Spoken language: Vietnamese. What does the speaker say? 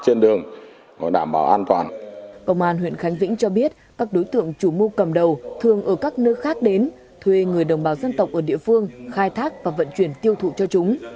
công an huyện khánh vĩnh cho biết các đối tượng chủ mưu cầm đầu thường ở các nơi khác đến thuê người đồng bào dân tộc ở địa phương khai thác và vận chuyển tiêu thụ cho chúng